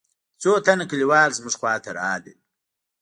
څو تنه كليوال زموږ خوا ته راغلل.